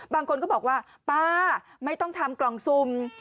บางคนก็บอกว่าป้าไม่ต้องทำกล่องซุ่ม